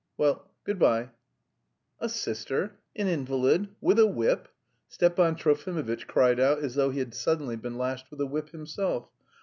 Well, good bye." "A sister? An invalid? With a whip?" Stepan Trofimovitch cried out, as though he had suddenly been lashed with a whip himself.